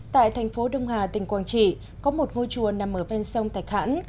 tại thành phố đông hà tỉnh quảng trị có một ngôi chùa nằm ở bên sông tạch hãn